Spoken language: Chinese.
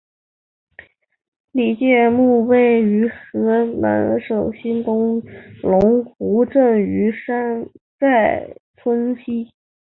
李诫墓位于河南省新郑市龙湖镇于寨村西。